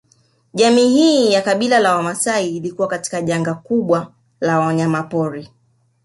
Jamii hii ya kabila la Wamaasai ilikuwa katika janga kubwa la wanyama pori